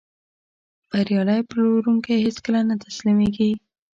بریالی پلورونکی هیڅکله نه تسلیمېږي.